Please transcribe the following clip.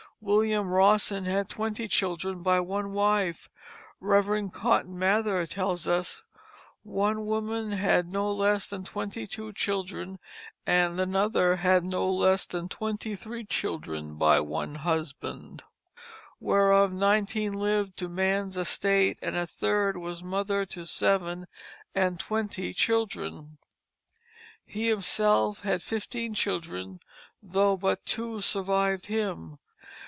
William Rawson had twenty children by one wife. Rev. Cotton Mather tells us: "One woman had not less than twenty two children, and another had no less than twenty three children by one husband, whereof nineteen lived to man's estate, and a third was mother to seven and twenty children." He himself had fifteen children, though but two survived him.